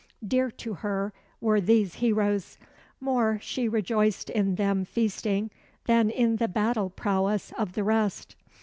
Dear to her were these heroes. More she rejoiced in them feasting than in the battle prowess of the rest.